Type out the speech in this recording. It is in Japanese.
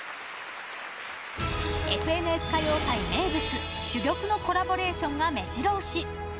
「ＦＮＳ歌謡祭」名物珠玉のコラボレーションが目白押し。